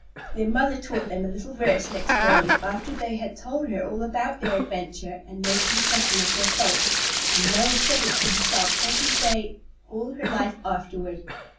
Their mother taught them a little verse next morning, after they had told her all about their adventure and made confession of their fault; and Lois said it to herself every day all her life afterward.